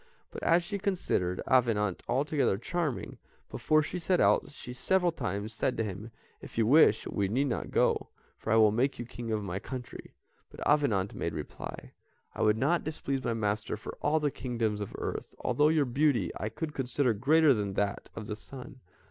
But as she considered Avenant altogether charming, before she set out, she several times said to him: "If you wish, we need not go, for I will make you king of my country." But Avenant made reply: "I would not displease my master for all the kingdoms of earth, although your beauty I consider greater than that of the sun."